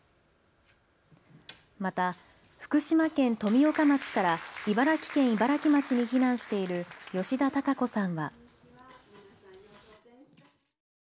また福島県富岡町から茨城県茨城町に避難している吉田孝子さんは。